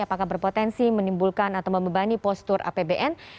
apakah berpotensi menimbulkan atau membebani postur apbn